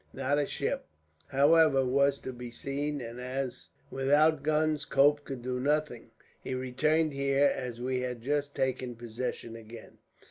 Not a ship, however, was to be seen, and as without guns Cope could do nothing, he returned here, as we had just taken possession again.